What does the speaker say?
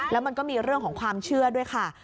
แล้วมันก็มีเรื่องของความเชื่อด้วยค่ะ